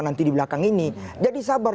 nanti di belakang ini jadi sabar